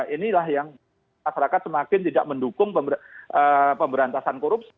inilah yang masyarakat semakin tidak mendukung pemberantasan korupsi